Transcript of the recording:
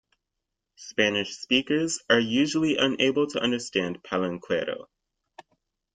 Spanish speakers are usually unable to understand Palenquero.